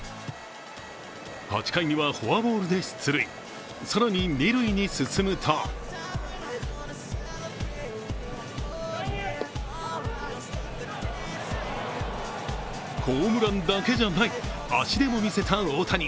８回にはフォアボールで出塁、更に二塁に進むとホームランだけじゃない足でも見せた大谷。